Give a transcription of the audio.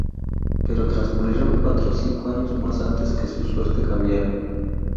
Pero transcurrieron cuatro o cinco años más antes que su suerte cambiara.